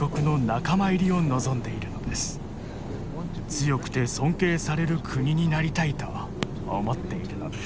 強くて尊敬される国になりたいと思っているのです。